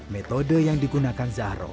metode yang digunakan zahro